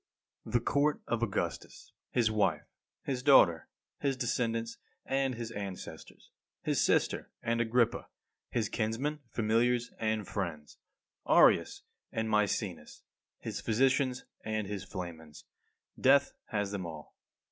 31. The court of Augustus, his wife, his daughter, his descendants and his ancestors; his sister, and Agrippa; his kinsmen, familiars and friends; Areius and Maecenas; his physicians and his flamens death has them all.